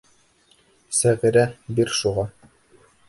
Сәғирә, бир шуға.